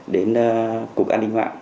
đến cục an ninh mạng